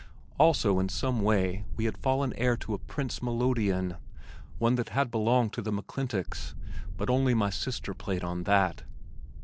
Also in some way we had fallen heir to a Prince melodeon one that had belonged to the McClintocks, but only my sister played on that.